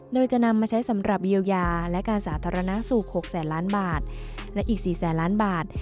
โดยจะนำมาใช้สำหรับเยียวยาและการสาธารณสุข๖แสนล้านบาทและอีก๔แสนล้านบาท